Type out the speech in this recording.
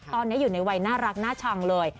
ตอนนี้อยู่ในวัยน่ารักน่าชังเลย